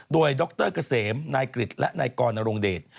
โดยดรเกษมนายกริจและนายกรณรงเดช